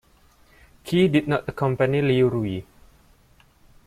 Qi did not accompany Liu Ruyi.